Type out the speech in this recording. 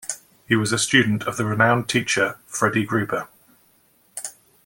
He was a student of the renowned teacher, Freddie Gruber.